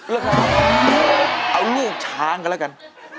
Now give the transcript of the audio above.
แล้วครับเอาลูกช้างกันแล้วกัน